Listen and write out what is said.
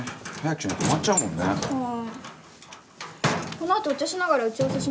この後お茶しながら打ち合わせします？